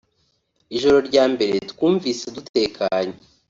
Ijoro rya mbere twumvise dutekanye